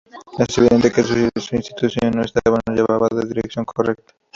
Es evidente que su intuición no estaba aún lo llevaba en la dirección correcta.